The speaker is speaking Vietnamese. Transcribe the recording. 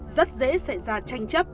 rất dễ sẽ ra tranh chấp